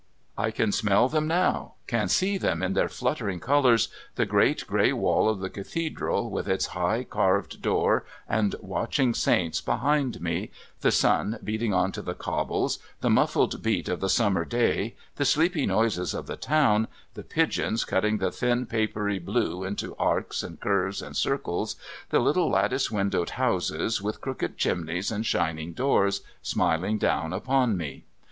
I can smell them now, can see them in their fluttering colours, the great grey wall of the Cathedral, with its high carved door and watching saints behind me, the sun beating on to the cobbles, the muffled beat of the summer day, the sleepy noises of the town, the pigeons cutting the thin, papery blue into arcs and curves and circles, the little lattice windowed houses, with crooked chimneys and shining doors, smiling down upon me.